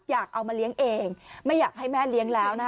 อยากเอามาเลี้ยงเองไม่อยากให้แม่เลี้ยงแล้วนะคะ